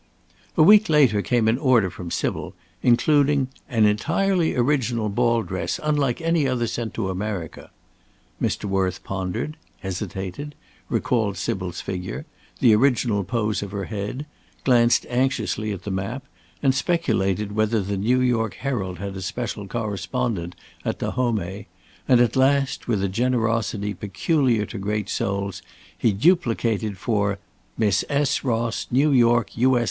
A week later came an order from Sybil, including "an entirely original ball dress, unlike any other sent to America." Mr. Worth pondered, hesitated; recalled Sybil's figure; the original pose of her head; glanced anxiously at the map, and speculated whether the New York Herald had a special correspondent at Dahomey; and at last, with a generosity peculiar to great souls, he duplicated for "Miss S. Ross, New York, U.S.